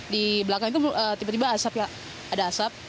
di belakang itu tiba tiba asap ada asap